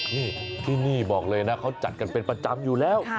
นี่ที่นี่บอกเลยนะเขาจัดกันเป็นประจำอยู่แล้ว